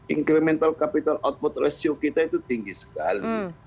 encremental capital output ratio kita itu tinggi sekali